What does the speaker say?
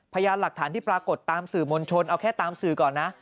พยานหลักฐานที่ปรากฏตามสื่อมวลชนเอาแค่ตามสื่อก่อนนะ